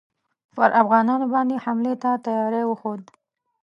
پر افغانانو باندي حملې ته تیاری وښود.